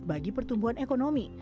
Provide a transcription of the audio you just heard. bagi pertumbuhan ekonomi